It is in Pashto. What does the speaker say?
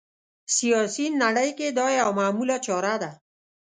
سیاسي نړۍ کې دا یوه معموله چاره ده